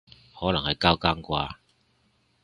可能係交更啩